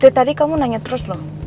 dari tadi kamu nanya terus loh